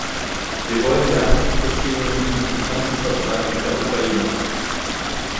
Wir wollen ja Handelsbeziehungen und einen Handelsvertrag mit der Ukraine.